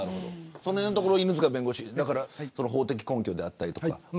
そのへんのところ犬塚弁護士法的根拠だったりとか。